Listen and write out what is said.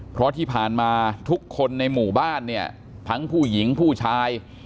เพราะที่ผ่านมาทุกคนในหมู่บ้านเนี่ยทั้งผู้หญิงผู้ชาย